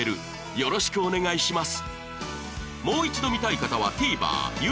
よろしくお願いします